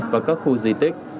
và các khu di tích